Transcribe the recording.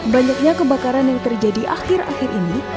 banyaknya kebakaran yang terjadi akhir akhir ini